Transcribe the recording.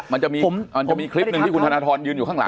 มันจะมีคลิปหนึ่งที่คุณธนทรยืนอยู่ข้างหลัง